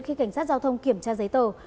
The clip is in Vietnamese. khi cảnh sát giao thông kiểm tra giấy tờ